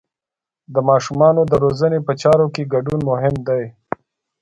د ماشومانو د روزنې په چارو کې ګډون مهم دی.